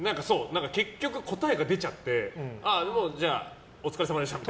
結局答えが出ちゃってもうじゃあお疲れさまでしたって。